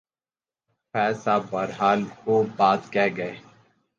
فیض صاحب بہرحال خوب بات کہہ گئے۔